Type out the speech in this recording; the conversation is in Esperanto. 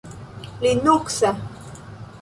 linuksa